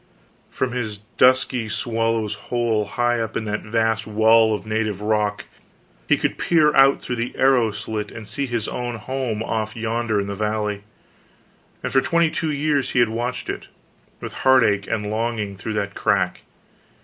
From his dusky swallow's hole high up in that vast wall of native rock he could peer out through the arrow slit and see his own home off yonder in the valley; and for twenty two years he had watched it, with heartache and longing, through that crack.